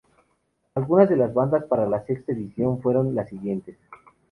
Algunas de las bandas para la sexta edición fueron las siguientes.